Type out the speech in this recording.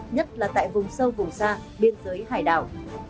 nhất là tại vùng sâu vùng xa biên giới hải đảo